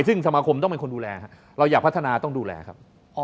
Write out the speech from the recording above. ซึ่งสมาคมต้องเป็นคนดูแลครับเราอยากพัฒนาต้องดูแลครับ